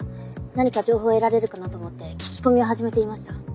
何か情報を得られるかなと思って聞き込みを始めていました。